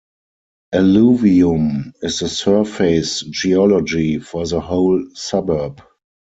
Alluvium is the surface geology for the whole suburb.